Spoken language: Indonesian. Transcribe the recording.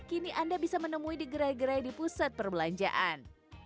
kini anda bisa menemui di gerai gerai di pusat perbelanjaan